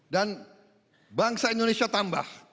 dan bangsa indonesia tambah